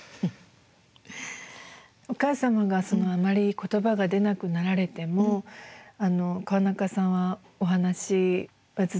お母様があまり言葉が出なくなられても川中さんはお話はずっとなさっていたんですか？